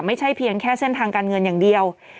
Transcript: ไม่ใช่เพียงแค่เส้นทางการเงินอย่างเดียว